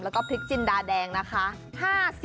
แล้วก็พริกจินดาแดงนะคะ